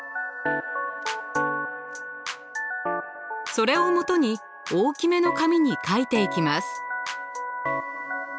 それをもとに大きめの紙に描いていきます。